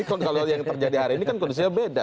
kalau yang terjadi hari ini kan kondisinya beda